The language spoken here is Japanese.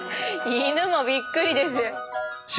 犬もびっくりですよ。